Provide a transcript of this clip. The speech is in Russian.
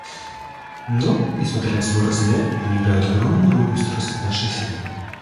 Но, несмотря на свой размер, они играют огромную роль в устройстве нашей Вселенной.